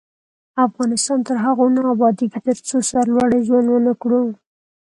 افغانستان تر هغو نه ابادیږي، ترڅو سرلوړي ژوند ونه کړو.